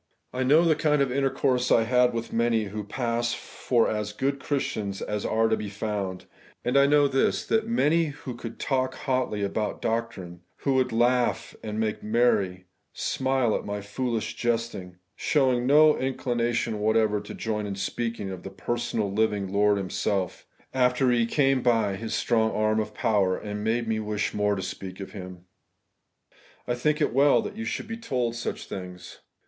I know the kind of intercourse I had with many who pass for as good Christians as are to be found ; and I know this, that very many who could talk hotly about doctrine, who would laugh and make merry, smUe at my foolish jesting, showed no inclination whatever to join in sjieaking of the personal living Lord Himself, after He came by His strong arm of power, and made me wish more to speak of Him. I think it is weU that you should be told such things.